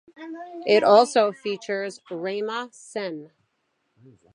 It also features Raima Sen.